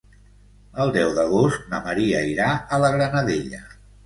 El deu d'agost na Maria irà a la Granadella.